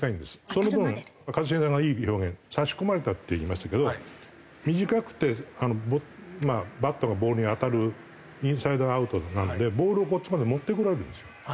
その分一茂さんがいい表現「差し込まれた」って言いましたけど短くてバットがボールに当たるインサイドアウトなのでボールをこっちまで持ってくるわけですよ。